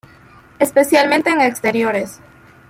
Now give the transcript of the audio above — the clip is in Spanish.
Especialmente en exteriores.